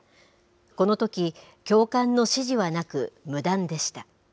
このとき、教官の指示はなく、無断でした。